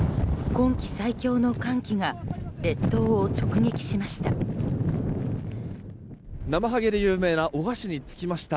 今季最強の寒気が列島を直撃しました。